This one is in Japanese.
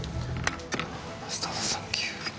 マスタードサンキュー。